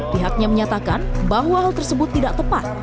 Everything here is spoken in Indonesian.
pihaknya menyatakan bahwa hal tersebut tidak tepat